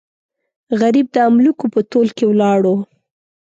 غریب د املوکو په تول کې ولاړو.